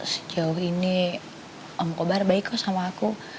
sejauh ini om kobar baik kok sama aku